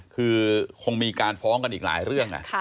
คือคงมีการฟ้องกันอีกหลายเรื่อง